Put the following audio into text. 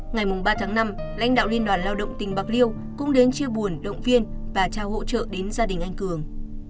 ngày ba tháng năm lãnh đạo liên đoàn lao động tỉnh bạc liêu cũng đến chia buồn động viên và trao hỗ trợ đến gia đình anh cường